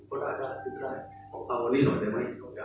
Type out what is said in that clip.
ออกต่อวันนี้ออกได้ไหม